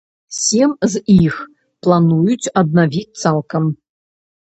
Сем з іх плануюць аднавіць цалкам.